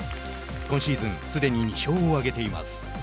今シーズンすでに２勝を挙げています。